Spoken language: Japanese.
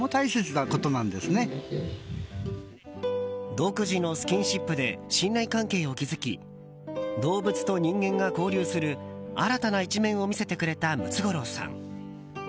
独自のスキンシップで信頼関係を築き動物と人間が交流する新たな一面を見せてくれたムツゴロウさん。